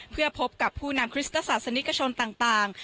เพื่อพบกับผู้นำคริสตศาสนิกชนต่าง